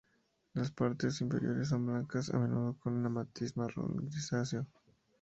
Las partes inferiores son blancas, a menudo con un matiz marrón grisáceo.